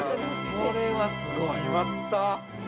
◆これは、すごい。◆やった！